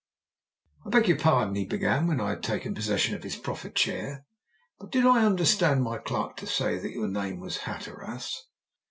"I beg your pardon," he began, when I had taken possession of his proffered chair, "but did I understand my clerk to say that your name was Hatteras?"